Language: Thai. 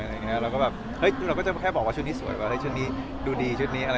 เอยเราแค่บอกว่าชุดนี้สวยชุดนี้ดูดี